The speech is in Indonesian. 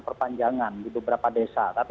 perpanjangan di beberapa desa tapi